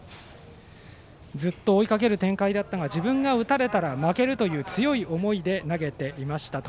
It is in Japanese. ずっと追いかける展開だったが自分が打たれたら負けるという強い思いで投げていましたと。